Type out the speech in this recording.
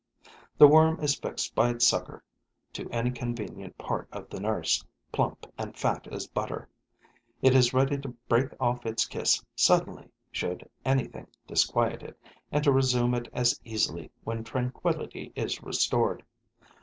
The worm is fixed by its sucker to any convenient part of the nurse, plump and fat as butter. It is ready to break off its kiss suddenly, should anything disquiet it, and to resume it as easily when tranquillity is restored.